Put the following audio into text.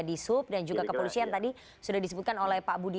di sub dan juga kepolisian tadi sudah disebutkan oleh pak budi